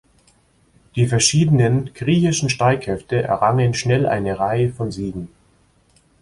Die verschiedenen griechischen Streitkräfte errangen schnell eine Reihe von Siegen.